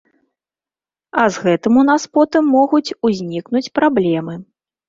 А з гэтым у нас потым могуць узнікнуць праблемы.